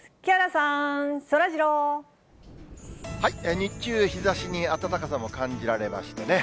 日ざしに暖かさも感じられましてね。